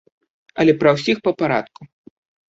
Але пра ўсіх па парадку.